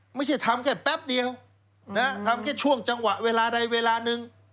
ไม่ใช่ทำแค่แป๊บเดียวทำแค่ช่วงจังหวะเวลาใดเวลาหนึ่ง